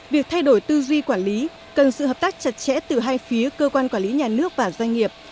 việc thay đổi tư duy quản lý cần sự hợp tác chặt chẽ từ hai phía cơ quan quản lý nhà nước và doanh nghiệp